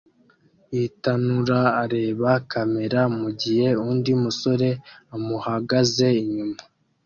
y’itanura areba kamera mugihe undi musore amuhagaze inyuma